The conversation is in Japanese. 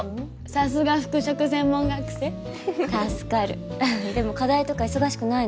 さすが服飾専門学生助かるでも課題とか忙しくないの？